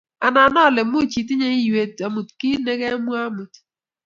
Anen ale much itinye iywet amu kit nekwamwa amut